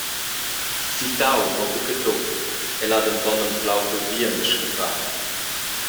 «Sittau, mo buca tuc; el ha denton anflau per bien da scappar.»